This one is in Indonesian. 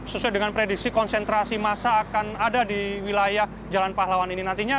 sesuai dengan prediksi konsentrasi masa akan ada di wilayah jalan pahlawan ini nantinya